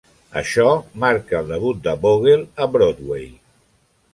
Això marca el debut de Vogel a Broadway.